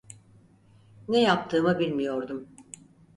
Ne yaptığımı bilmiyordum.